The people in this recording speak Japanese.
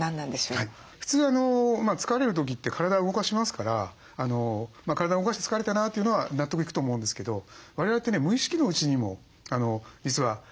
普通疲れる時って体を動かしますから体を動かして疲れたなというのは納得いくと思うんですけど我々ってね無意識のうちにも実はエネルギー使ってるんですね。